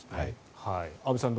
安部さん